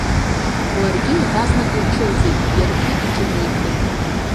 Ларгьы иаразнак лҽылӡеит, иаргьы иҿынеихеит.